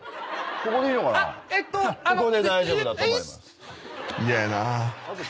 ここで大丈夫だと思います。